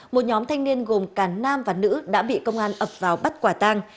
một nhóm thanh niên gồm cả nam và nữ đã bị công an ập vào bắt quả tang